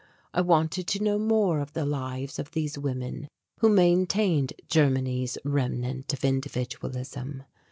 I wanted to know more of the lives of these women who maintained Germany's remnant of individualism.